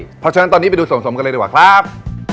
เพราะฉะนั้นตอนนี้ไปดูส่วนสมกันเลยดีกว่าครับ